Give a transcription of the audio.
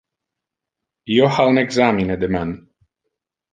Io ha un examine deman.